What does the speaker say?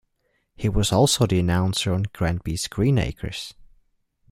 He was also the announcer on "Granby's Green Acres".